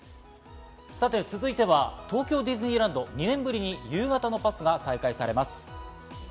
続いては東京ディズニーランド、２年ぶりに夕方のパスが再開されます。